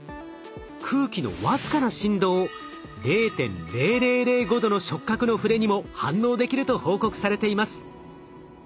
空気の僅かな振動０．０００５度の触角のふれにも反応できると報告されています。